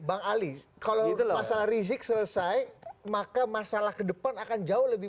bang ali kalau masalah rizik selesai maka masalah ke depan akan jauh lebih